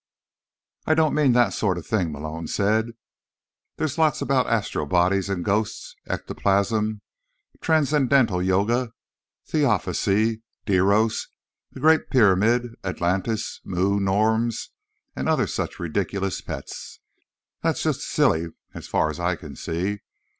"I don't mean that sort of thing," Malone said. "There's lots about astral bodies and ghosts, ectoplasm, Transcendental Yoga, theosophy, deros, the Great Pyramid, Atlantis, Mu, norns, and other such ridiculous pets. That's just silly, as far as I can see.